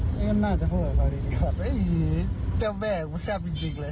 เจ้าแม่ของแซ่บจริงเลย